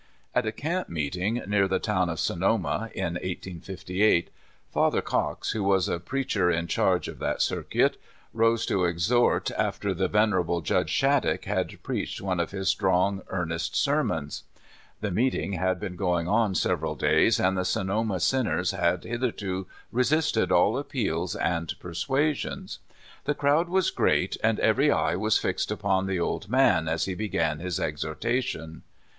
At a camp meeting near the town of Sonoma, in 1858, Father Cox, wdio was preacher in charge of that circuit, rose to exhort after the venerable Judge Shattuck had preached one of his strong, earnest sermons. The meeting had been going on several days, and the Sonoma sinners had hitherto resisted all appeals and persuasions. The crowd was great, and every eye was fixed upon the old man as he began his exhortation.